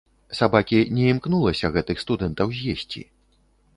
Сабакі не імкнулася гэтых студэнтаў з'есці.